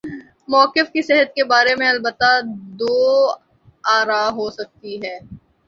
موقف کی صحت کے بارے میں البتہ دو آرا ہو سکتی ہیں۔